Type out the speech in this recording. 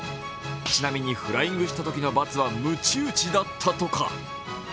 ちなみにフライングしたときの罰はむち打ちだったとか。